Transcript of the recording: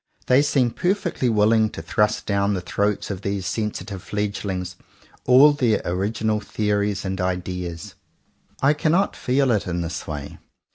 They seem perfectly willing to thrust down the throats of these sensitive fledgelings all their original the ories and ideas. I cannot feel it in this way.